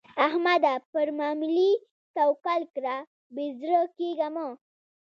احمده؛ پر ماملې توکل کړه؛ بې زړه کېږه مه.